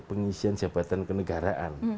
pengisian jabatan kenegaraan